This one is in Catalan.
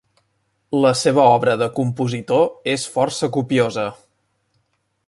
La seva obra de compositor és força copiosa.